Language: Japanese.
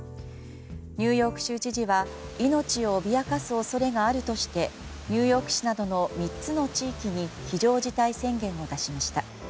ニューヨーク州知事は命を脅かす恐れがあるとしてニューヨーク市などの３つの地域に非常事態宣言を出しました。